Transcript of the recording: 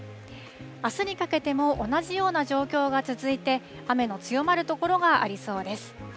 あすにかけても同じような状況が続いて、雨の強まる所がありそうです。